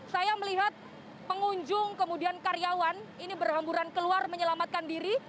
saya melihat pengunjung kemudian karyawan ini berhamburan keluar menyelamatkan diri